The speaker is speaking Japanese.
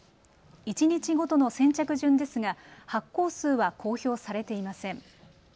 一日ごとの先着順ですが発行数は公表されていません。